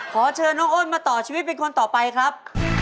ขอเชิญน้องอ้นมาต่อชีวิตเป็นคนต่อไปครับ